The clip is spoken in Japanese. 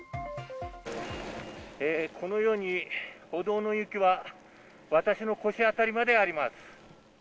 このように歩道の雪は、私の腰辺りまであります。